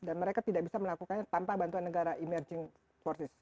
dan mereka tidak bisa melakukannya tanpa bantuan negara emerging forces